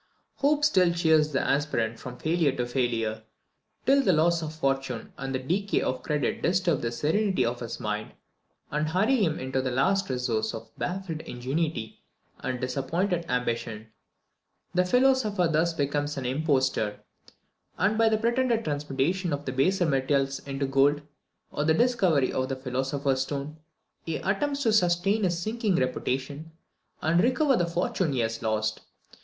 Hope still cheers the aspirant from failure to failure, till the loss of fortune and the decay of credit disturb the serenity of his mind, and hurry him on to the last resource of baffled ingenuity and disappointed ambition. The philosopher thus becomes an impostor; and by the pretended transmutation of the baser metals into gold, or the discovery of the philosopher's stone, he attempts to sustain his sinking reputation, and recover the fortune he has lost.